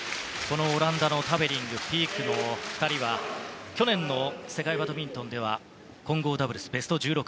オランダのタベリング、ピークの２人は去年の世界バドミントンでは混合ダブルスでベスト１６。